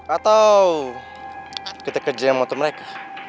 atau kita kerjain motor mereka